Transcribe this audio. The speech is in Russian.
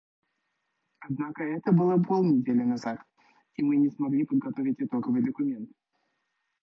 Однако это было полнедели назад, и мы не смогли подготовить итоговый документ.